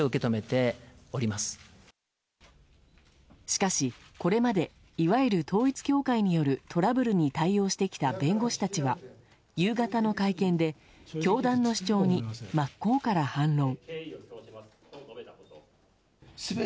しかし、これまでいわゆる統一教会によるトラブルに対応してきた弁護士たちは夕方の会見で教団の主張に真っ向から反論。